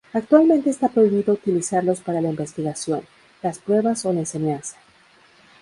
Actualmente está prohibido utilizarlos para la investigación, las pruebas o la enseñanza.